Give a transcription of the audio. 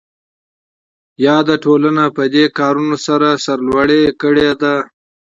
یاده ټولنه پدې کارونو سره سرلوړې کړې ده.